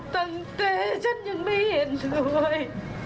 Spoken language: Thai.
ตั้งแต่ฉันยังไม่เห็นเลย